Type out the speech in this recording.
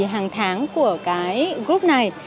hàng tháng của cái group này